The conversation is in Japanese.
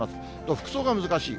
服装が難しい。